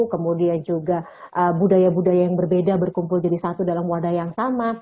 kemudian juga budaya budaya yang berbeda berkumpul jadi satu dalam wadah yang sama